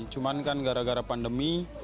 cuman kan gara gara pandemi